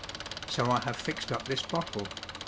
So I have fixed up this bottle.